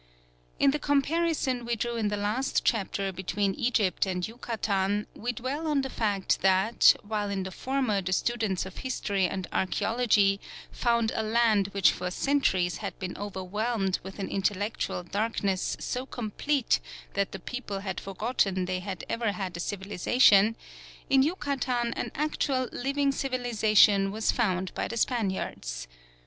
In the comparison we drew in the last chapter between Egypt and Yucatan, we dwelt on the fact that, while in the former the students of history and archæology found a land which for centuries had been overwhelmed with an intellectual darkness so complete that the people had forgotten they had ever had a civilisation, in Yucatan an actual living civilisation was found by the Spaniards.